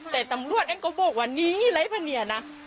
แต่ตำรวชก็บอกว่านี้